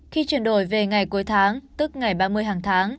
khi chuyển đổi về ngày cuối tháng tức ngày ba mươi hàng tháng